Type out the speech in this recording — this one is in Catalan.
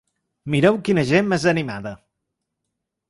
Mireu quina gent més animada!